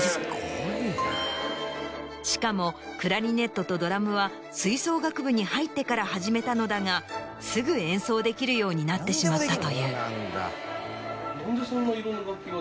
しかもクラリネットとドラムは吹奏楽部に入ってから始めたのだがすぐ演奏できるようになってしまったという。